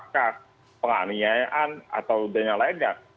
apakah pengalihnyayaan atau dengar lainnya